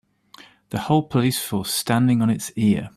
The whole police force standing on it's ear.